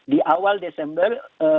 di awal desember